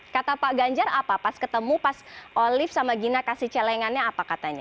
kata pak ganjar apa pas ketemu pas olive sama gina kasih celengannya apa katanya